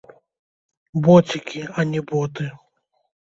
Боцікі, а не боты.